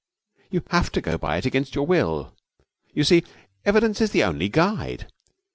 You have to go by it against your will. You see, evidence is the only guide.